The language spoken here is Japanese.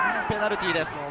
ペナルティーです。